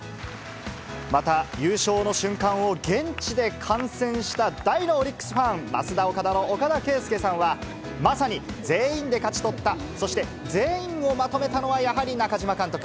また、優勝の瞬間を現地で観戦した大のオリックスファン、ますだおかだの岡田圭右さんは、まさに全員で勝ち取った、そして、全員をまとめたのは、やはり中嶋監督。